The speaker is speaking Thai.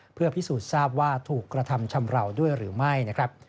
เพื่อพิสูจน์ทราบว่าถูกกระทำชำราวด้วยหรือไม่นะครับ